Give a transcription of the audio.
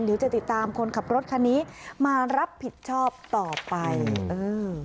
เดี๋ยวจะติดตามคนขับรถคันนี้มารับผิดชอบต่อไปเออ